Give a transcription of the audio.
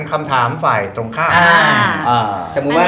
อ๋อพระเจ้าของทะเล